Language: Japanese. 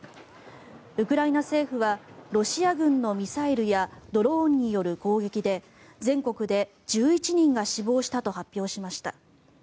ウクライナ政府はロシア軍のミサイルやドローンによる攻撃で全国で１１人が死亡したと発表しました。